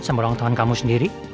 sama orang tuhan kamu sendiri